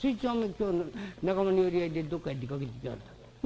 今日仲間の寄り合いでどっかへ出かけていきやがったんだ。